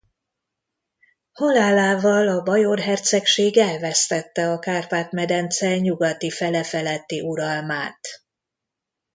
Halálával a Bajor Hercegség elvesztette a Kárpát-medence nyugati fele feletti uralmát.